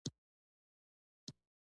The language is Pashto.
شیخ عمر په مایک کې لارښوونې کولې.